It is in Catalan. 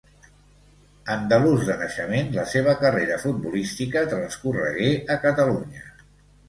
Andalús de naixement, la seva carrera futbolística transcorregué a Catalunya.